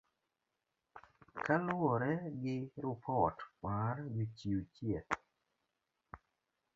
Kaluwore gi rupot mar Jochiw chieth.